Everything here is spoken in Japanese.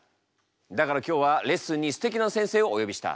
だから今日はレッスンにすてきな先生をお呼びした。